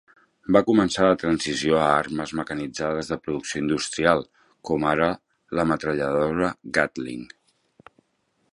Va començar la transició a armes mecanitzades de producció industrial, com ara la metralladora Gatling.